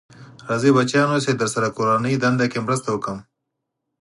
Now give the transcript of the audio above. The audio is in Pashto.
راځی بچیانو چې درسره کورنۍ دنده کې مرسته وکړم.